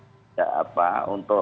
tapi tidak untuk dinaikkan gitu ya